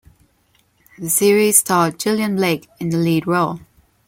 The series starred Gillian Blake in the lead role.